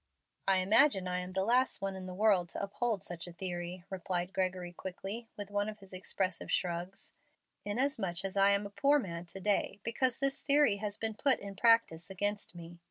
"I imagine I am the last one in the world to uphold such a 'theory,'" replied Gregory, quickly, with one of his expressive shrugs, "inasmuch as I am a poor man to day because this theory has been put in practice against me.